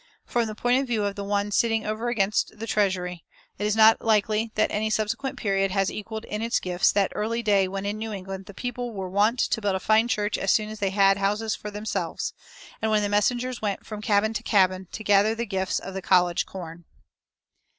[361:1] From the point of view of One "sitting over against the treasury" it is not likely that any subsequent period has equaled in its gifts that early day when in New England the people "were wont to build a fine church as soon as they had houses for themselves,"[361:2] and when the messengers went from cabin to cabin to gather the gifts of "the college corn."